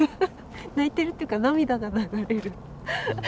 泣いてるっていうか涙が流れる。